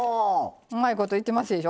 うまいこといってますでしょ。